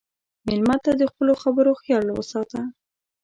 مېلمه ته د خپلو خبرو خیال وساته.